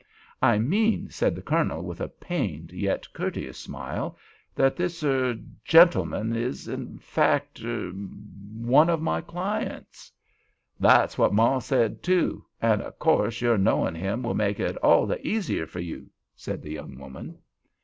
"I mean," said the Colonel, with a pained yet courteous smile, "that this—er—gentleman—is in fact—er—one of my clients." "That's what maw said, too, and of course your knowing him will make it all the easier for you," said the young woman.